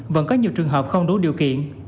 vẫn có nhiều trường hợp không đủ điều kiện